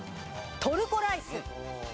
トルコライス。